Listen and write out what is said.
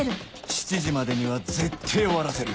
７時までにはぜってぇ終わらせる！